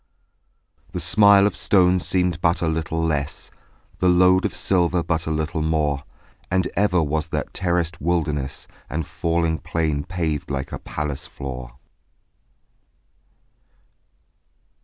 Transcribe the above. The smile of stone seemed but a little less, The load of silver but a little more: And ever was that terraced wilderness And falling plain paved like a palace floor.